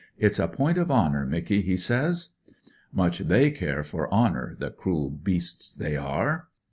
It's a point of honour, Micky,' he says. Much they care for honour, the cruel beasts they are.